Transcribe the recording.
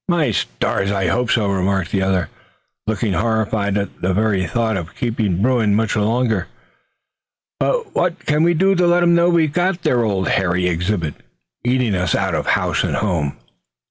"My stars! I hope so," remarked the other, looking horrified at the very thought of keeping Bruin much longer. "But what can we do to let 'em know we've got their old hairy exhibit eating us out of house and home?"